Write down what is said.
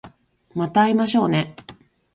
また会いましょうね